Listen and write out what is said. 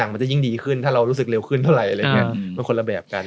มันจะยิ่งดีขึ้นถ้ารู้สึกเร็วขึ้นเท่าไหร่มันคนระแบบกัน